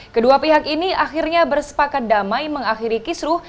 kedua pihak ini akhirnya bersepakat damai mengakhiri kisruh